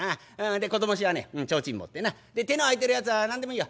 で子供衆はねちょうちん持ってな。で手の空いてるやつは何でもいいや。